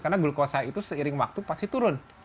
karena glukosa itu seiring waktu pasti turun